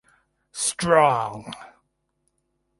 Strong.